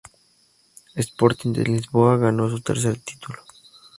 Sporting de Lisboa ganó su tercer título.